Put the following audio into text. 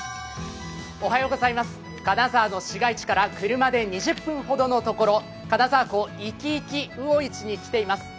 金沢の市街地から車で２０分ほどのところ金沢港いきいき魚市に来ています。